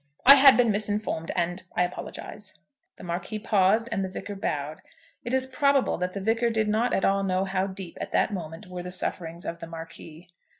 I had been misinformed, and I apologise." The Marquis paused, and the Vicar bowed. It is probable that the Vicar did not at all know how deep at that moment were the sufferings of the Marquis.